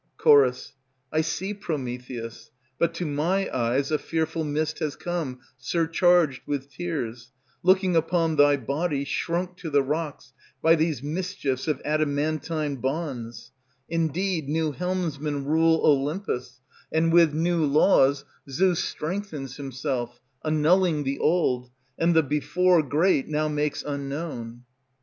Ch. I see, Prometheus; but to my eyes a fearful Mist has come surcharged With tears, looking upon thy body Shrunk to the rocks By these mischiefs of adamantine bonds; Indeed, new helmsmen rule Olympus; And with new laws Zeus strengthens himself, annulling the old, And the before great now makes unknown.